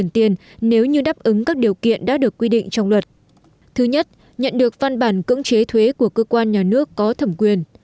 thứ nhất nhận được văn bản cưỡng chế thuế của cơ quan nhà nước có thẩm quyền